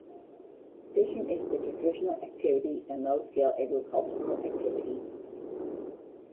Fishing is the traditional activity and low-scale agricultural activity.